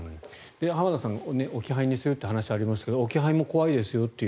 浜田さん、置き配にするという話がありましたが置き配も怖いですよと。